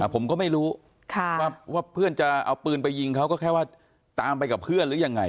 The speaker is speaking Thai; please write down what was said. ผมก็ไม่รู้ว่าเพื่อนจะเอาปืนไปยิงเขาก็แค่ว่าตามไปกับเพื่อนหรือยังไง